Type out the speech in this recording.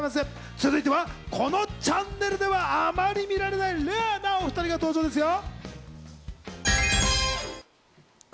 続いては、このチャンネルではあまり見られないレアな２人が登場ですよ！